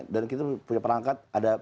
dan kita punya perangkat ada